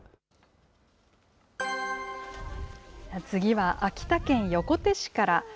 次は、秋田県横手市から。